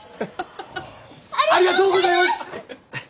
ありがとうございます！